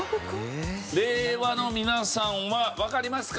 令和の皆さんはわかりますか？